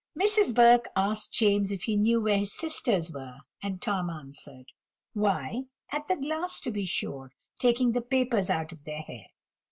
Mrs. Burke asked James if he knew where his sisters were; and Tom answered: "Why, at the glass to be sure, taking the papers out of their hair."